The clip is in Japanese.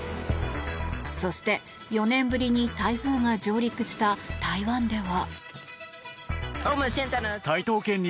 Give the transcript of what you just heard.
そして４年ぶりに台風が上陸した台湾では。